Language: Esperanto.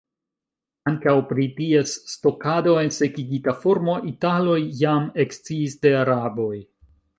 Ankaŭ pri ties stokado en sekigita formo, italoj jam eksciis de araboj.